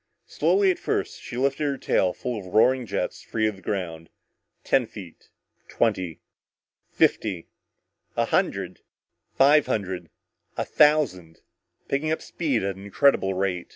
Slowly at first, she lifted her tail full of roaring jets free of the ground. Ten feet twenty fifty a hundred five hundred a thousand picking up speed at an incredible rate.